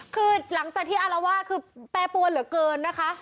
คือหลังจากที่อารวาสคือแปรปวนเหลือเกินนะคะ